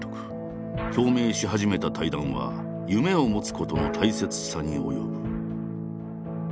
共鳴し始めた対談は夢を持つことの大切さに及ぶ。